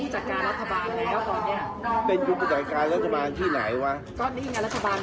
เจ็ดฝีนินที่นั่นภารกษรรดิ์เจ็ดฝีนินภูมิใจไทยเจ็ดฝีนิน